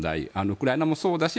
ウクライナもそうだし